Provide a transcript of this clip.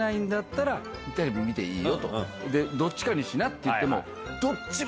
どっちかにしな！って言っても。